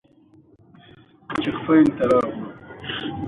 د افغانستان د موقعیت د افغانستان د طبیعت برخه ده.